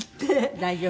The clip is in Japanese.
大丈夫。